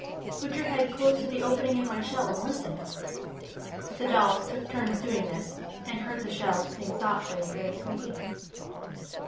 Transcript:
Put your head close to the opening in my shell and listen!" The dolls took turns doing this, and heard the shell sing softly and very sweetly.